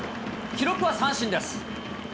記録は三振です。